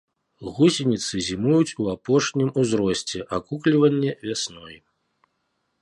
Гусеніцы зімуюць у апошнім узросце, акукліванне вясной.